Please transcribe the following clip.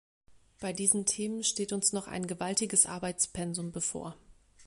Bei diesen Themen steht uns noch ein gewaltiges Arbeitspensum bevor.